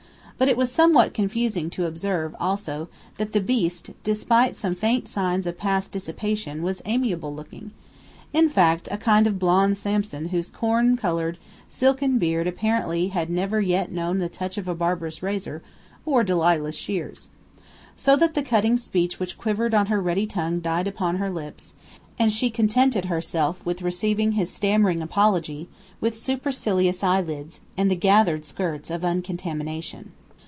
But it was somewhat confusing to observe, also, that the beast, despite some faint signs of past dissipation, was amiable looking in fact, a kind of blond Samson whose corn colored, silken beard apparently had never yet known the touch of barber's razor or Delilah's shears. So that the cutting speech which quivered on her ready tongue died upon her lips, and she contented herself with receiving his stammering apology with supercilious eyelids and the gathered skirts of uncontamination.